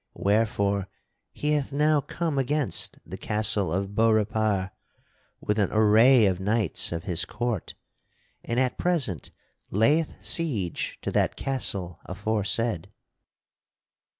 Wherefore he hath now come against the castle of Beaurepaire with an array of knights of his court, and at present layeth siege to that castle aforesaid.